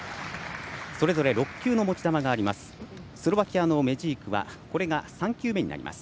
それぞれ６球の持ち球があります。